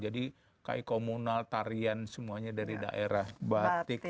jadi ki komunal tarian semuanya dari daerah batik